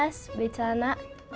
mas beli celana